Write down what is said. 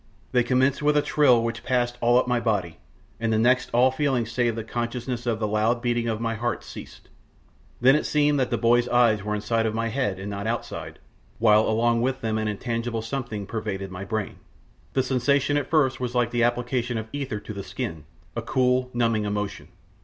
They commenced with a thrill which passed all up my body, and next all feeling save the consciousness of the loud beating of my heart ceased. Then it seemed that boy's eyes were inside my head and not outside, while along with them an intangible something pervaded my brain. The sensation at first was like the application of ether to the skin a cool, numbing emotion.